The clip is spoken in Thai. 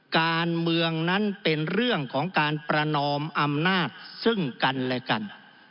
การเมืองนั้นเป็นเรื่องของการประนอมอำนาจซึ่งกันและกัน